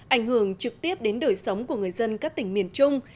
ảnh hưởng trực tiếp đến đời sống của người dân các tỉnh miền trung